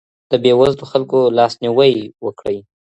د بې وزلو خلګو لاسنیوی وکړئ.